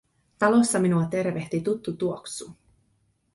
Talossa minua tervehti tuttu tuoksu.